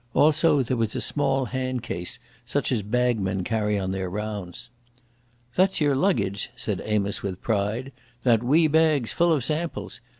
Also there was a small handcase, such as bagmen carry on their rounds. "That's your luggage," said Amos with pride. "That wee bag's full of samples.